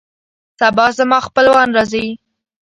سبا زما خپلوان راځي